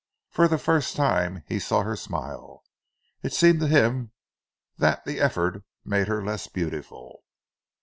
For the first time he saw her smile. It seemed to him that the effort made her less beautiful.